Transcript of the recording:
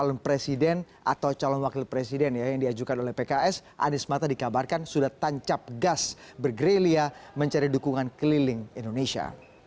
calon presiden atau calon wakil presiden yang diajukan oleh pks anies mata dikabarkan sudah tancap gas bergerilia mencari dukungan keliling indonesia